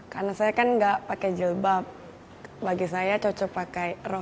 karena saya kan enggak pakai jilbab bagi saya cocok pakai rok